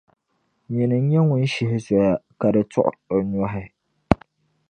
Nyini n-nyɛ ŋun shihi zoya, ka di tuɣiri nyɔhi.